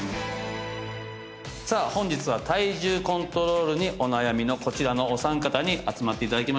さあ本日は体重コントロールにお悩みのこちらのお三方に集まっていただきました